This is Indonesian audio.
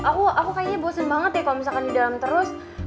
aku aku kayaknya bosen banget ya kalau misalkan di dalam terus